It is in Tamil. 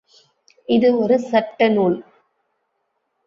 இது ஒரு சட்ட நூல்.